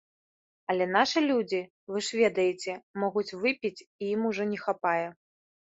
Але нашы людзі, вы ж ведаеце, могуць выпіць, і ім ужо не хапае.